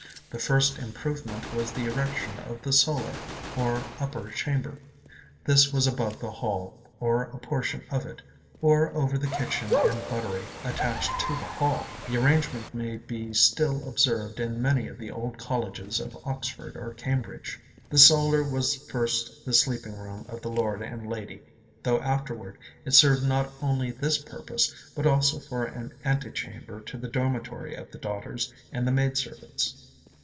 The first improvement was the erection of the solar, or upper chamber. This was above the hall, or a portion of it, or over the kitchen and buttery attached to the hall. The arrangement may be still observed in many of the old colleges of Oxford or Cambridge. The solar was first the sleeping room of the lord and lady; though afterward it served not only this purpose, but also for an ante chamber to the dormitory of the daughters and the maid servants.